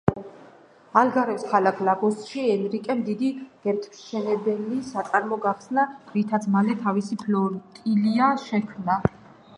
ალგარვეს ქალაქ ლაგოსში ენრიკემ დიდი გემთმშენებელი საწარმო გახსნა, რითაც მალე თავისი ფლოტილია შექმნა.